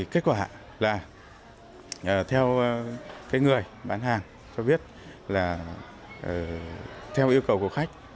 kết quả là theo người bán hàng cho biết là theo yêu cầu của khách